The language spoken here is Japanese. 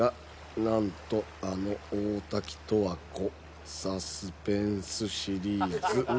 「何とあの大滝トワ子サスペンスシリーズに」